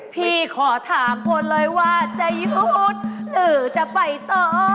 พี่ขอถามพลเลยว่าจะพูดหรือจะไปต่อ